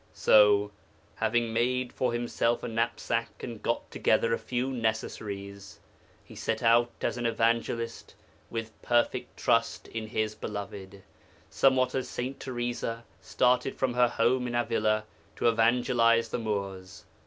So, 'having made for himself a knapsack, and got together a few necessaries,' he set out as an evangelist, 'with perfect trust in his Beloved,' somewhat as S. Teresa started from her home at Avila to evangelize the Moors.